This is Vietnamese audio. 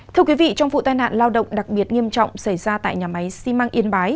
thưa quý vị trong vụ tai nạn lao động đặc biệt nghiêm trọng xảy ra tại nhà máy xi măng yên bái